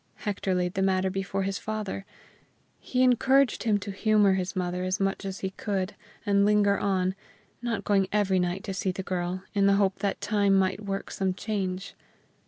Hector laid the matter before his father. He encouraged him to humor his mother as much as he could, and linger on, not going every night to see the girl, in the hope that time might work some change.